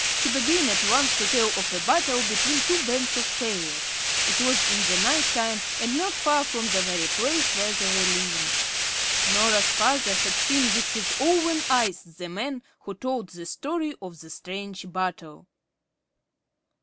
He began at once to tell of a battle between two bands of fairies. It was in the night time, and not far from the very place where they were living. Norah's father had seen with his own eyes the man who told the story of the strange battle.